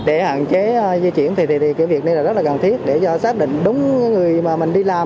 để hạn chế di chuyển thì việc này rất là cần thiết để xác định đúng người mà mình đi làm